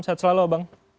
sehat selalu bang